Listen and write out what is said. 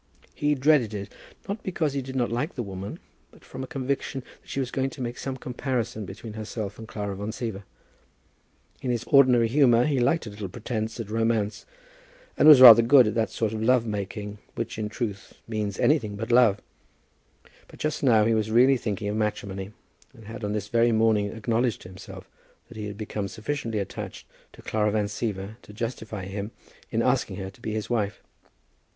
He dreaded it, not because he did not like the woman, but from a conviction that she was going to make some comparison between herself and Clara Van Siever. In his ordinary humour he liked a little pretence at romance, and was rather good at that sort of love making which in truth means anything but love. But just now he was really thinking of matrimony, and had on this very morning acknowledged to himself that he had become sufficiently attached to Clara Van Siever to justify him in asking her to be his wife.